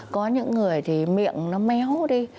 có những người thì miệng nó méo đi